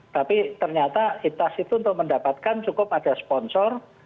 tapi ternyata tas itu untuk mendapatkan cukup ada sponsor